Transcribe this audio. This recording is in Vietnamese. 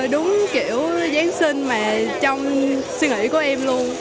đúng kiểu giáng sinh mà trong suy nghĩ của em luôn